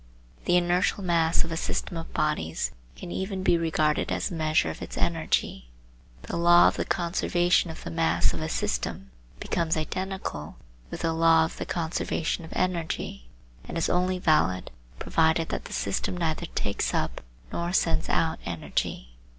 The inertial mass of a system of bodies can even be regarded as a measure of its energy. The law of the conservation of the mass of a system becomes identical with the law of the conservation of energy, and is only valid provided that the system neither takes up nor sends out energy.